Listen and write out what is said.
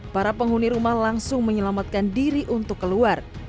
para penghuni rumah langsung menyelamatkan diri untuk keluar